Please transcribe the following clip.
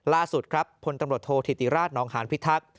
ล่าสุดครับพธธติราชน์นหานพิทัก